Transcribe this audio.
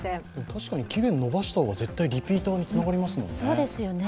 確かに期限伸ばした方が絶対リピーターにつながりますよね